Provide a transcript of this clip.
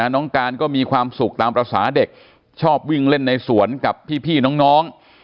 น้องการก็มีความสุขตามภาษาเด็กชอบวิ่งเล่นในสวนกับพี่น้อง